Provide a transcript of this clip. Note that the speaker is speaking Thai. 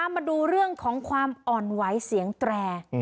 มาดูเรื่องของความอ่อนไหวเสียงแตร